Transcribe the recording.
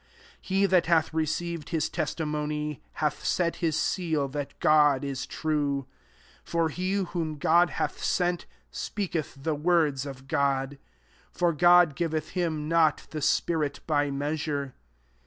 33 He that hath received his testimony, hath set his seal that God is true. 34 For he whom God hath sent, speiiketh the words of God: for[Gorf] giveth him not the spirit by measure.